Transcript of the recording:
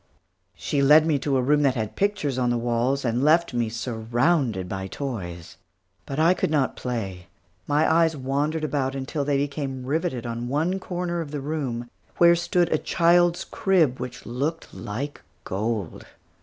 She led me to a room that had pictures on the walls, and left me surrounded by toys. But I could not play. My eyes wandered about until they became riveted on one corner of the room, where stood a child's crib which looked like gold.